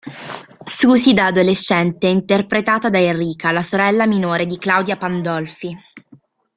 Susy da adolescente è interpretata da Enrica, la sorella minore di Claudia Pandolfi.